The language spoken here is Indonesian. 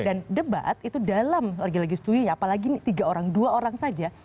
dan debat itu dalam lagi lagi studi ya apalagi tiga orang dua orang saja